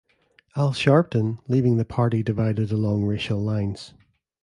Al Sharpton, leaving the party divided along racial lines.